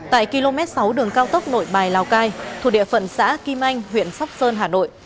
tại km sáu đường cao tốc nội bài lào cai thuộc địa phận xã kim anh huyện sóc sơn hà nội